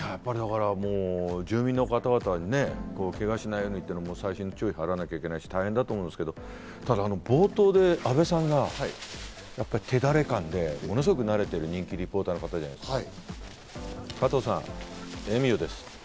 住民の方々、けがしないようにということも細心の注意を払わなきゃいけないので大変だと思いますけど、冒頭で阿部さんが手練感でものすごく慣れている人気リポーターじゃないですか。